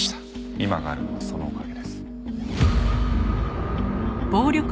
今があるのはそのおかげです。